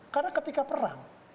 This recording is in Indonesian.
karena ketika perang